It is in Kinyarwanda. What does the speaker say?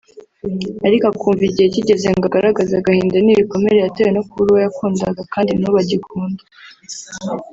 ariko akumva igihe kigeze ngo agaragaze agahinda n’ibikomere yatewe no kubura uwo yakundaga kandi n’ubu agikunda